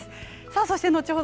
そして後ほど